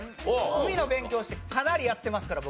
海の勉強をしてかなりやってますから僕。